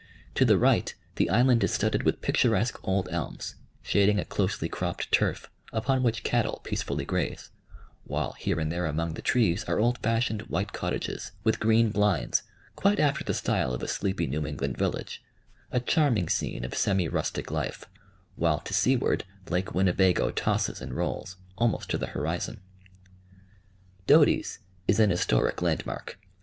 To the right the island is studded with picturesque old elms, shading a closely cropped turf, upon which cattle peacefully graze, while here and there among the trees are old fashioned white cottages, with green blinds, quite after the style of a sleepy New England village, a charming scene of semi rustic life; while to seaward Lake Winnebago tosses and rolls, almost to the horizon. Doty's is an historic landmark.